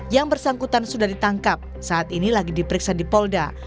yang bersangkutan sudah ditangkap saat ini lagi diperiksa di polda